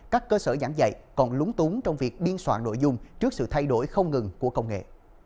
các cơ sở giảng dạy còn lúng túng trong việc biên soạn nội dung trước sự thay đổi không ngừng của công nghệ